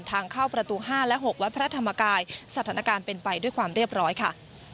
ทางเข้าประตู๕และ๖วัดพระธรรมกายสถานการณ์เป็นไปด้วยความเรียบร้อยค่ะ